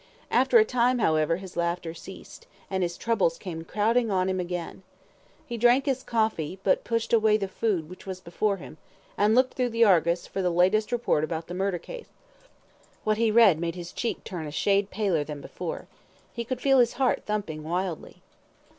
After a time, however, his laughter ceased, and his troubles came crowding on him again. He drank his coffee, but pushed away the food which was before him; and looked through the ARGUS, for the latest report about the murder case. What he read made his cheek turn a shade paler than before. He could feel his heart thumping wildly.